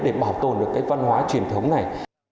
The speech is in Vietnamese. để bảo tồn được cái văn hóa truyền thống này